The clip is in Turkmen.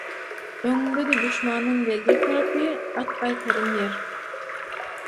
Öňüňde-de duşmanyň geljek tarapy – at gaýtarym ýer.